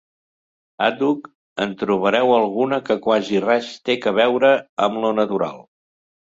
Àdhuc en trobareu alguna que quasi res té que veure amb lo natural.